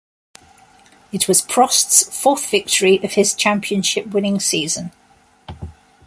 It was Prost's fourth victory of his championship-winning season.